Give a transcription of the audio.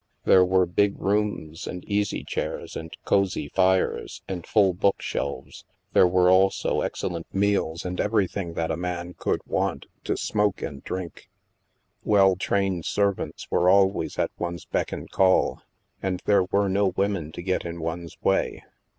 There were big rooms, and easy chairs, and cosy fires, and full book shelves ; there were also excellent meals and every 92 THE MASK thing that a man could want to smoke and drink. Well trained servants were always at one's beck and call, and there were no women to get in one's way.